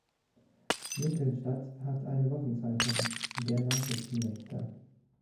Lincoln-Stadt hat eine Wochenzeitung, „Der Nachrichten-Wächter“.